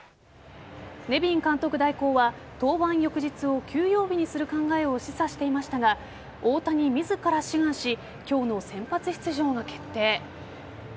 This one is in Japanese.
ネビン監督代行は登板翌日を休養日にする考えを示唆していましたが大谷自ら志願し今日の先発出場が決定。